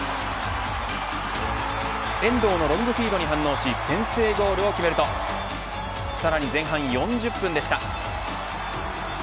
遠藤のロングフィードに反応し先制ゴールを決めるとさらに前半４０分でした。